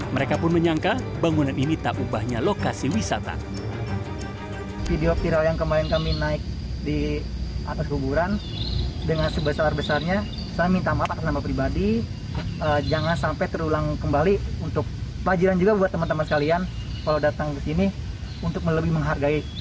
mereka pun menyangka bangunan ini tak ubahnya lokasi wisata